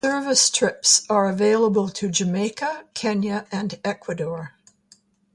Service trips are available to Jamaica, Kenya, and Ecuador.